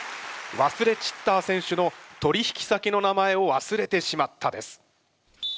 ワスレ・チッター選手の「取引先の名前を忘れてしまった」です。